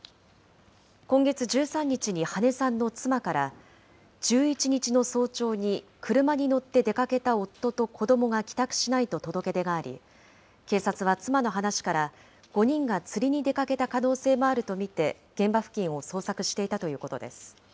今月１３日に羽根さんの妻から、１１日の早朝に車に乗って出かけた夫と子どもが帰宅しないと届け出があり、警察は妻の話から、５人が釣りに出かけた可能性もあると見て、現場付近を捜索していたということです。